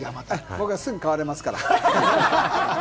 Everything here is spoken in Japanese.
僕はすぐ変われますから。